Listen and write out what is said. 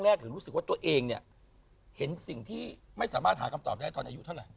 หรือรู้สึกตัวเองเห็นสิ่งที่ไม่สามารถหากับตอบตอนอายุเท่าไหร่